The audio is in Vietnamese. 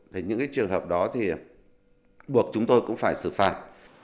thì những cái trường hợp đó thì buộc chúng tôi cũng phải xử phạt